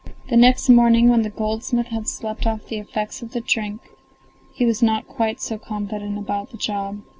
The next morning when the goldsmith had slept off the effects of the drink, he was not quite so confident about the job.